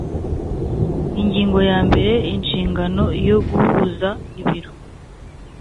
Ingingo ya mbere Inshingano yo guhuza ibiro